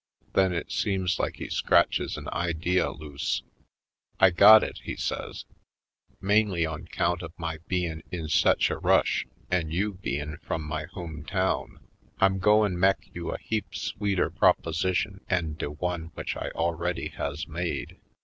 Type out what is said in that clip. Then it seems like he scratches an idea loose. ^'I got it," he says. "Mainly on 'count of my bein' in sech a rush, an' you bein' frum my home Harlem Heights 83 town, I'm goin' mek you a heap sweeter proposition 'en de one w'ich I already has made.